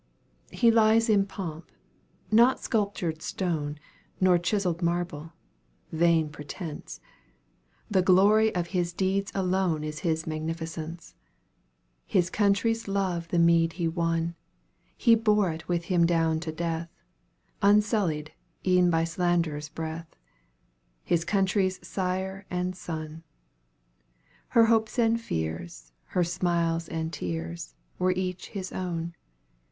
He lies in pomp not sculptured stone, Nor chiseled marble vain pretence The glory of his deeds alone Is his magnificence. His country's love the meed he won, He bore it with him down to death, Unsullied e'en by slander's breath His country's sire and son. Her hopes and fears, her smiles and tears, Were each his own.